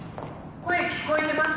声聞こえてますか？